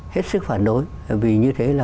hết sức phản đối vì như thế là